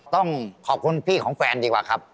ต้องขอบคุณพี่ของแฟนดีกว่าครับ